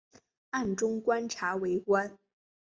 暗中观察围观